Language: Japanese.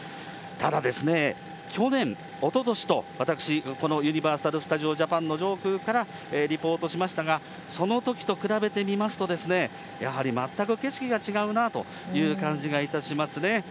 ただですね、去年、おととしと、私、このユニバーサル・スタジオ・ジャパンの上空からリポートしましたが、そのときと比べてみますと、やはり全く景色が違うなあという感じがいたしますね。